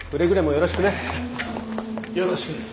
よろしくです。